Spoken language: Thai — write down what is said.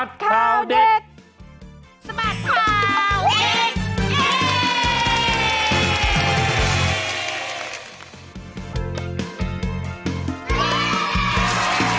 สมัดข่าวเด็ก